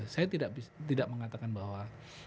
saya tidak mengatakan bahwa